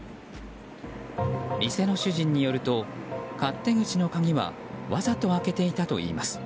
店の主人によると勝手口の鍵はわざと開けていたといいます。